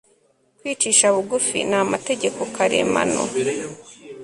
Kwicisha bugufi ni amategeko karemano